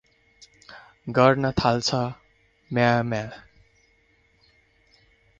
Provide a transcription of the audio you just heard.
गर्न थाल्छ म्याँ–म्याँ ।